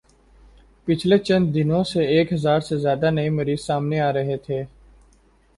پچھلے چند دنو ں سے ایک ہزار سے زیادہ نئے مریض سامنے آرہے تھے